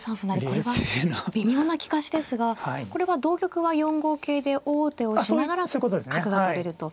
これは微妙な利かしですがこれは同玉は４五桂で王手をしながら角が取れると。